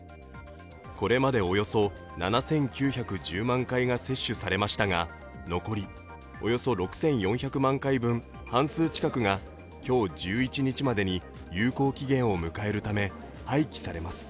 これまでおよそ７９１０万回が接種されましたが残りおよそ６４００万回分半数近くが今日１１日までに有効期限を迎えるため廃棄されます。